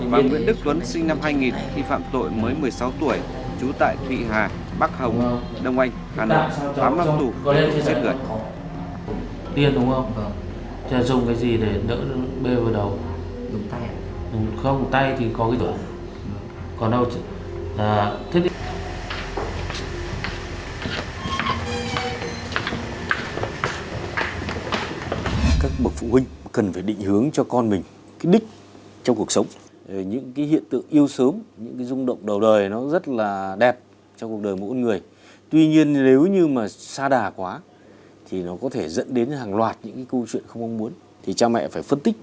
và nguyễn đức tuấn sinh năm hai nghìn khi phạm tội mới một mươi sáu tuổi trú tại thụy hà bắc hồng đông anh hà nội lịnh án một mươi năm tù